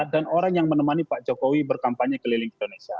dan orang yang menemani pak jokowi berkampanye keliling